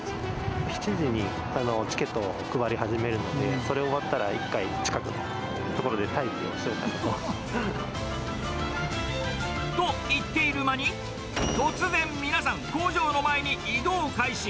７時にチケットを配り始めるので、それ終わったら、一回、近くの所で待機をしようかなと。と言っている間に、突然、皆さん、工場の前に移動開始。